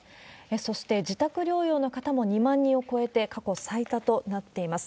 そして自宅療養の方も２万人を超えて過去最多となっています。